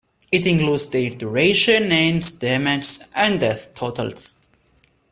It includes their duration, names, damages, and death totals.